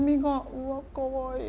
うわかわいい。